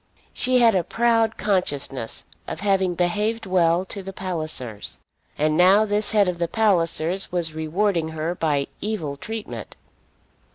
She had a proud consciousness of having behaved well to the Pallisers, and now this head of the Pallisers was rewarding her by evil treatment.